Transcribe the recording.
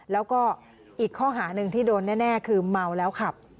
แล้วก็อีกข้อหาหนึ่งที่โดนแน่คือเมาแล้วขับ